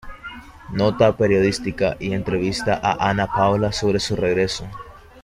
Nota periodística y entrevista a Ana Paula sobre su regreso.